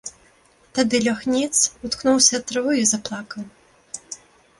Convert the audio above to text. Тады лёг ніц, уткнуўся ў траву і заплакаў.